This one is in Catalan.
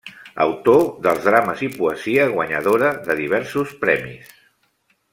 Autor dels drames i poesia guanyadora de diversos premis.